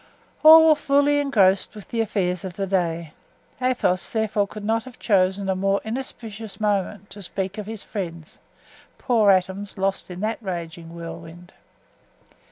All were fully engrossed with the affairs of the day; Athos could not therefore have chosen a more inauspicious moment to speak of his friends—poor atoms, lost in that raging whirlwind.